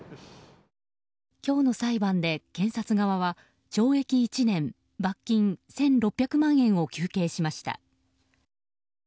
今日の裁判で検察側は懲役１年、罰金１６００万円を求刑しました。